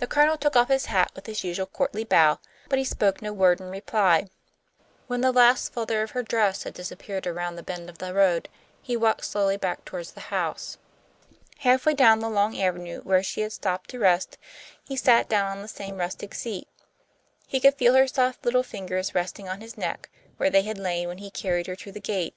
The Colonel took off his hat with his usual courtly bow, but he spoke no word in reply. When the last flutter of her dress had disappeared around the bend of the road, he walked slowly back toward the house. Half way down the long avenue where she had stopped to rest, he sat down on the same rustic seat. He could feel her soft little fingers resting on his neck, where they had lain when he carried her to the gate.